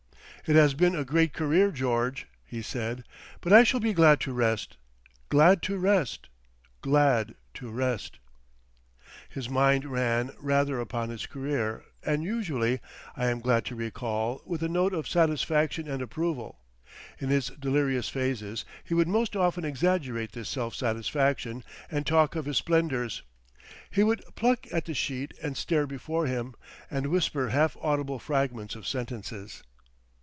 "It has been a great career, George," he said, "but I shall be glad to rest. Glad to rest!... Glad to rest." His mind ran rather upon his career, and usually, I am glad to recall, with a note of satisfaction and approval. In his delirious phases he would most often exaggerate this self satisfaction, and talk of his splendours. He would pluck at the sheet and stare before him, and whisper half audible fragments of sentences.